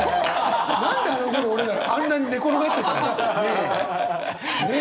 何であのころ俺らあんなに寝転がってたんだ？ねえ。